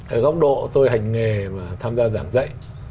ở góc độ tôi hành nghề mà tham gia giảng dạy